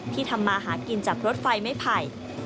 ทำมาหากินจากรถไฟไม่ไผ่